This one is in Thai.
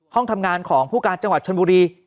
ห้องทำงานของผู้การจังหวัดชนบุรี